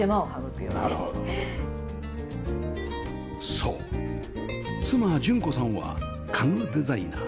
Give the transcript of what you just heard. そう妻順子さんは家具デザイナー